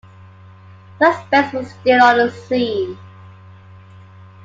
Suspects were still on the scene.